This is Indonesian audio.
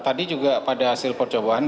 tadi juga pada hasil percobaan